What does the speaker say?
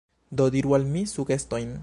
Do diru al mi sugestojn.